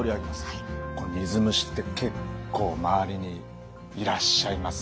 水虫って結構周りにいらっしゃいますね。